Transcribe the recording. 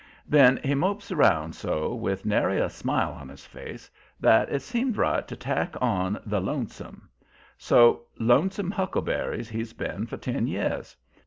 Then he mopes around so with nary a smile on his face, that it seemed right to tack on the "Lonesome." So "Lonesome Huckleberries" he's been for ten years.